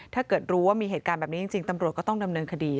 จริงตำรวจก็ต้องดำเนินคดี